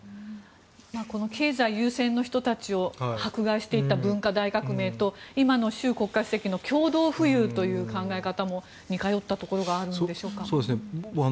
経済優先の人たちを迫害していった文化大革命と今の習国家主席の共同富裕という考え方にも似通ったところがあるんでしょうか？